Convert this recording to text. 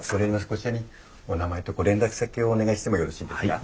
こちらにお名前とご連絡先をお願いしてもよろしいですか？